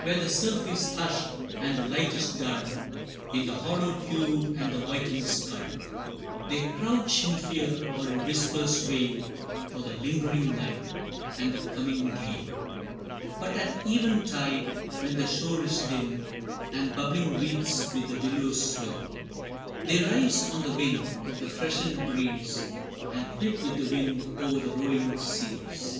Where the surf is hushed, and the light is dull, In the hollow tube and the whitened skull, They crouch in fear or in whispers wail, For the lingering night, and the coming gale. But at even tide, when the shore is dim, And bubbling wreaths with the billows swim, They rise on the wing of the freshened breeze, And flit with the wind o'er the rolling seas.